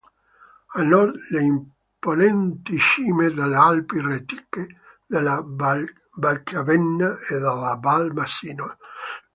A nord le imponenti cime delle Alpi Retiche della Valchiavenna e della Val Masino.